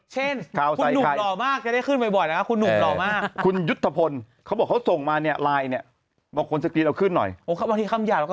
เช่นคุณหนูหล่อมากจะได้ขึ้นบ่อยนะคะ